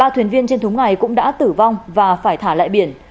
ba thuyền viên trên thúng này cũng đã tử vong và phải thả lại biển